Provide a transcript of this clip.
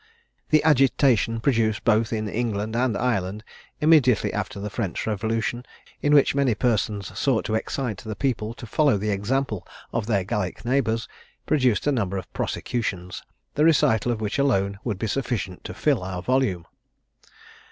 The agitation produced both in England and Ireland, immediately after the French revolution, in which many persons sought to excite the people to follow the example of their Gallic neighbours, produced a number of prosecutions, the recital of which alone would be sufficient to fill our volume.